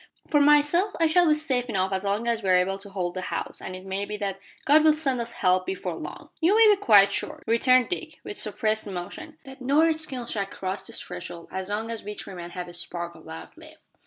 For myself, I shall be safe enough as long as we are able to hold the house, and it may be that God will send us help before long." "You may be quite sure," returned Dick, with suppressed emotion, "that no Redskin shall cross this threshold as long as we three men have a spark o' life left."